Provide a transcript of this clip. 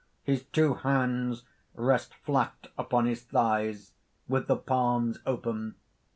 His two hands rest flat upon his thighs, with the palms open.